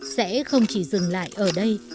sẽ không chỉ dừng lại ở đây